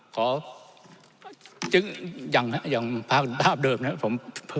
ขอจึงอย่างภาพเดิมนะครับ